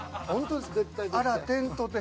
あらテントで。